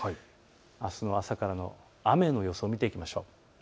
あすの朝からの雨の予想を見ていきましょう。